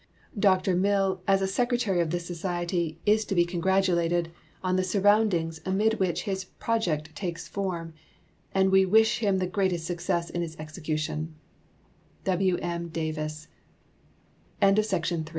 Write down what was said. Dr Mill, as a secretary of this society, is to be congratulated on the surroundings amid which his project takes form, and we wish him the greatest success in its executio